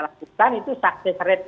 dan sistem online pelayanan